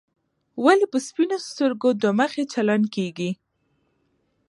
ولې په سپینو سترګو دوه مخي چلن کېږي.